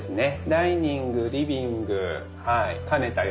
ダイニングリビングはい兼ねたような。